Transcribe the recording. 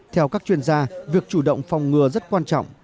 theo các chuyên gia việc chủ động phòng ngừa rất quan trọng